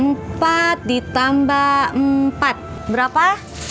empat ditambah empat berapa